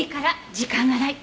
時間がない。